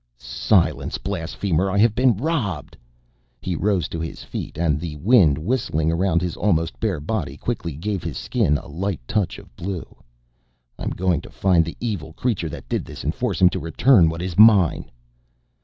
"Silence, blasphemer! I have been robbed!" He rose to his feet and the wind whistling around his almost bare body quickly gave his skin a light touch of blue. "I am going to find the evil creature that did this and force him to return what is mine."